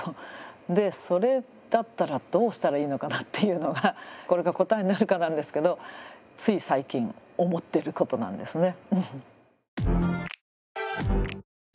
それだったらどうしたらいいのかなっていうのがこれが答えになるかなんですけどつい最近思ってることなんですね。